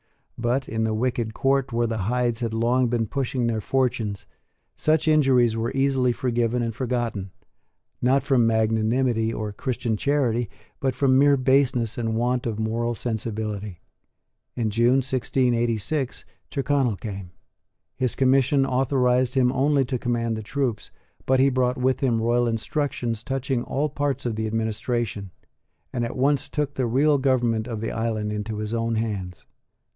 But, in the wicked court where the Hydes had long been pushing their fortunes, such injuries were easily forgiven and forgotten, not from magnanimity or Christian charity, but from mere baseness and want of moral sensibility. In June 1686, Tyrconnel came. His commission authorised him only to command the troops, but he brought with him royal instructions touching all parts of the administration, and at once took the real government of the island into his own hands.